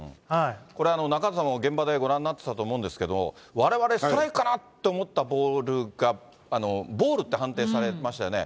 これ、中畑さんも現場でご覧になってたと思いますけれども、われわれストライクかなと思ったボールが、ボールって判定されましたよね。